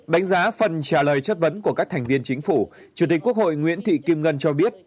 đánh giá phần trả lời chất vấn của các thành viên chính phủ chủ tịch quốc hội nguyễn thị kim ngân cho biết